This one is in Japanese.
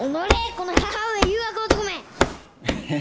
この母上誘惑男め！え？